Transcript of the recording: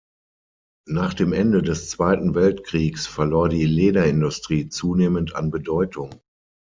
Nach dem Ende des Zweiten Weltkriegs verlor die Lederindustrie zunehmend an Bedeutung.